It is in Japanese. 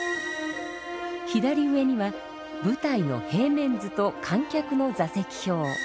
左上には舞台の平面図と観客の座席表。